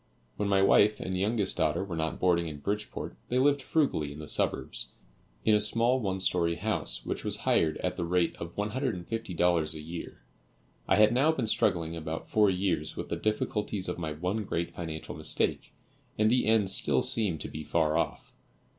When my wife and youngest daughter were not boarding in Bridgeport, they lived frugally in the suburbs, in a small one story house which was hired at the rate of $150 a year. I had now been struggling about four years with the difficulties of my one great financial mistake, and the end still seemed to be far off.